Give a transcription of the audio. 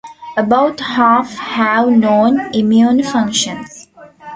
About half have known immune functions.